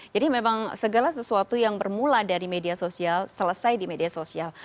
jadi memang segala sesuatu yang bermula dari media sosial selesai di media sosial